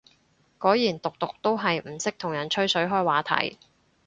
果然毒毒都係唔識同人吹水開話題